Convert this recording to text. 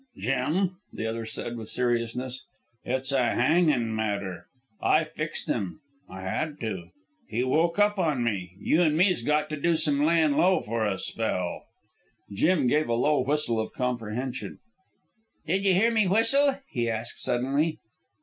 "Jim," the other said with seriousness, "it's a hangin' matter. I fixed 'm. I had to. He woke up on me. You an' me's got to do some layin' low for a spell." Jim gave a low whistle of comprehension. "Did you hear me whistle?" he asked suddenly.